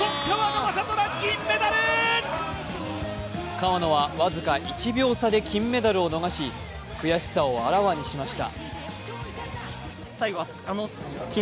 川野は僅か１秒差で金メダルを逃し悔しさをあらわにしました。